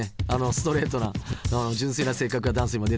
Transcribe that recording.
ストレートな純粋な性格がダンスにも出てたと思いますね。